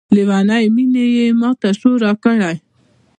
لیونۍ میني یې ماته شعور راکړی